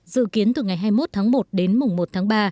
dự kiến từ ngày hai mươi một tháng một đến mùng một tháng ba